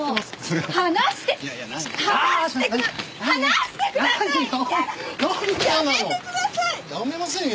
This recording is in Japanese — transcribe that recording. やめませんよ